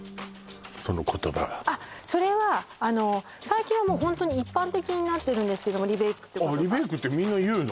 その言葉はあっそれは最近はもうホントに一般的になってるんですけどもリベイクって言葉リベイクってみんな言うの？